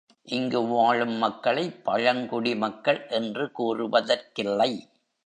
இங்கு வாழும் மக்களைப் பழங்குடி மக்கள் என்று கூறுவதற்கில்லை.